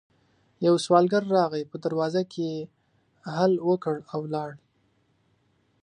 يو سوالګر راغی، په دروازه کې يې هل وکړ او ولاړ.